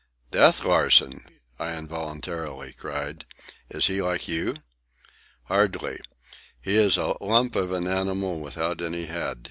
"Death Larsen!" I involuntarily cried. "Is he like you?" "Hardly. He is a lump of an animal without any head.